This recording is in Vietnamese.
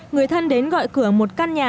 người thân đến gọi cửa một căn nhà